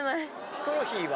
ヒコロヒーは？